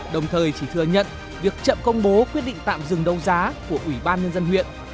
đồng thời chỉ thừa nhận việc chậm công bố quyết định tạm dừng đấu giá của ủy ban nhân dân huyện